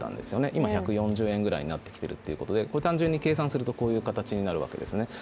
今１４０円ぐらいになってきているということで単純に計算するとこういう形になるわけですね